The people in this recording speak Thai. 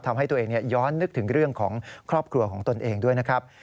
ทำให้ตัวเองย้อนนึกถึงเรื่องของครอบครัวของตนเองด้วยนะครับ